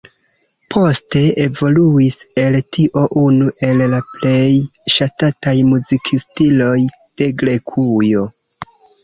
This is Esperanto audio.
Poste evoluis el tio unu el la plej ŝatataj muzikstiloj de Grekujo.